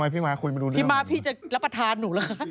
พี่ม้าพี่จะรับประธานหนูหรือ